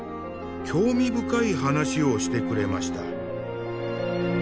興味深い話をしてくれました。